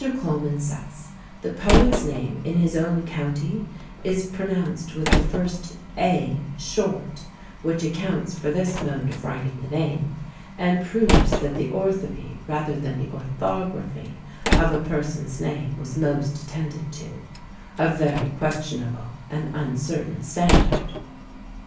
Colman says, the poet's name in his own county is pronounced with the first a short, which accounts for this mode of writing the name, and proves that the orthoÃḋpy rather than the orthography of a person's name was most attended to; a very questionable and uncertain standard.